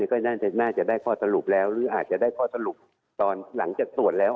ก็น่าจะได้ข้อสรุปแล้วหรืออาจจะได้ข้อสรุปตอนหลังจากตรวจแล้ว